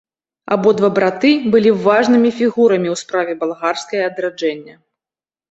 Абодва браты былі важнымі фігурамі ў справе балгарскае адраджэння.